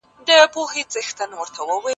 پاڼه په خپل کور کې د ارامۍ په لټه کې ده.